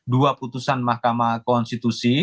dua putusan mahkamah konstitusi